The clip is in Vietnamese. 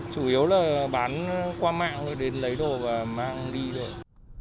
chủ yếu là bán qua mạng thôi đến lấy đồ và mang đi rồi